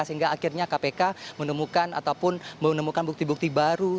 sehingga akhirnya kpk menemukan ataupun menemukan bukti bukti baru